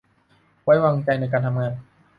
ไว้วางใจในการทำงาน